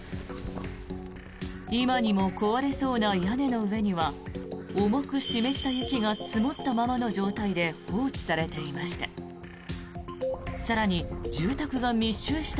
今にも壊れそうな屋根の上には重く湿った雪が積もったままの状態で放置されていました。